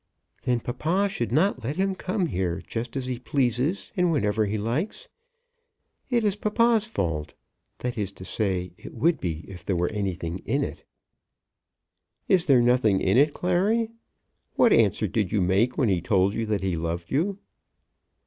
"Then papa should not let him come here just as he pleases and whenever he likes. It is papa's fault; that is to say it would be if there were anything in it." "Is there nothing in it, Clary? What answer did you make when he told you that he loved you?"